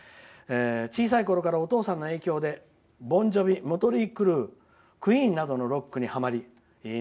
「小さいころからお父さんの影響でボン・ジョヴィやクイーンなどのロックにはまり」。